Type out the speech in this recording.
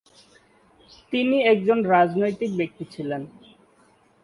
তিনি একজন রাজনৈতিক ব্যক্তি ছিলেন।